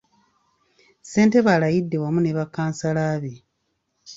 Ssentebe alayidde wamu ne bakkansala be.